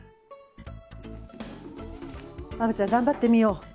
虻ちゃん、頑張ってみよう。